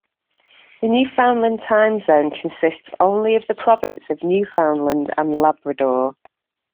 The Newfoundland Time Zone consists only of the province of Newfoundland and Labrador.